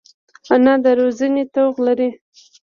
انا د روزنې توغ لري